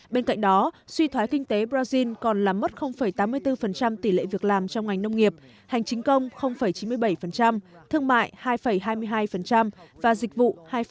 bên cạnh đó suy thoái kinh tế brazil còn làm mất tám mươi bốn tỷ lệ việc làm trong ngành nông nghiệp hành chính công chín mươi bảy thương mại hai hai mươi hai và dịch vụ hai tám